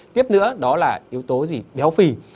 tiếp nữa đó là yếu tố gì béo phì